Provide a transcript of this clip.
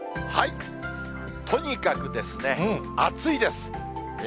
とにかくですね、暑いです。